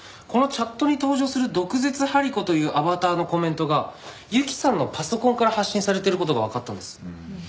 このチャットに登場する「毒舌ハリコ」というアバターのコメントが雪さんのパソコンから発信されてる事がわかったんです。